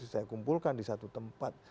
saya kumpulkan di satu tempat